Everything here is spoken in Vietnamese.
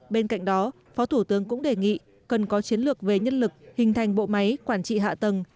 bên cạnh đó phó thủ tướng cũng đề nghị cần có chiến lược về nhân lực hình thành bộ máy quản trị hạ tầng